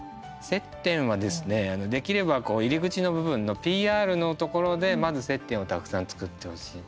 接点はですね、できれば入り口の部分のＰＲのところでまず接点をたくさん作ってほしい。